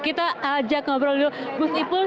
kita ajak ngobrol dulu gus ipul